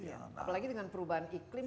apalagi dengan perubahan iklim